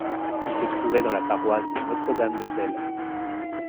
Il se trouvait dans la paroisse de Notre-Dame de Ceilhes.